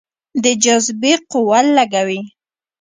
د جاذبې قوه لږه وي.